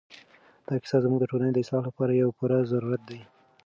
دا کیسه زموږ د ټولنې د اصلاح لپاره یو پوره ضرورت دی.